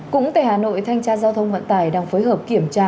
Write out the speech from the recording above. cũng tại hà nội thanh tra giao thông vận tải đang phối hợp kiểm tra